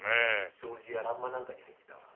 障子や欄間なんかに入ってた。